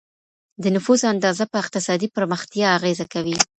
د نفوس اندازه په اقتصادي پرمختیا اغېزه کوي.